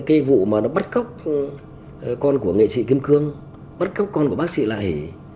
cái vụ mà nó bắt cóc con của nghệ sĩ kim cương bắt cóc con của bác sĩ là hỉ